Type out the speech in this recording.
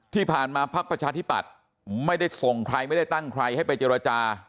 ที่ผ่านมาพักประชาธิปัตย์ไม่ได้ส่งใครไม่ได้ตั้งใครให้ไปเจรจา